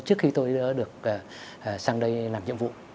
trước khi tôi đã được sang đây làm nhiệm vụ